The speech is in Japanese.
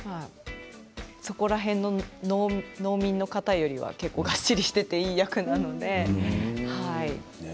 そこら辺の農民の方よりはがっしりしていていい役なので。